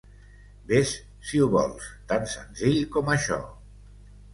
Vés, si ho vols, tan senzill com això.